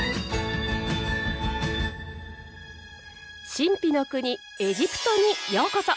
神秘の国エジプトにようこそ！